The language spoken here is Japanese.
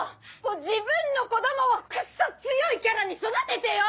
自分の子供をクッソ強いキャラに育ててよ！